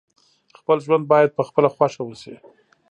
خپل ژوند باید په خپله خوښه وسي.